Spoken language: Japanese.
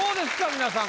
皆さん